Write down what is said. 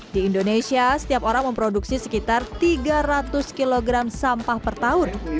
di indonesia setiap orang memproduksi sekitar tiga ratus kg sampah per tahun